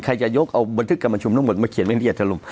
ใครจะยกเอาบันทึกกับประชุมทั้งหมดมาเขียนไว้ในเจตนารมน์